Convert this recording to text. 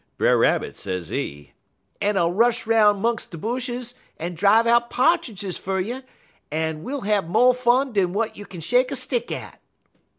"Brer Rabbit, sezee, 'En I'll rush 'roun' 'mungs' de bushes, en drive out Pa'tridges fer you, en we'll have mo' fun dan w'at you kin shake a stick at.'